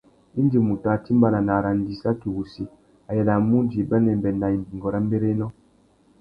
Indi mutu a timbāna nà arandissaki wussi, a yānamú udjï bênêbê nà imbîngô ya mbérénô.